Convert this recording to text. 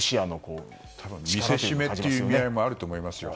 見せしめという意味合いもありますよね。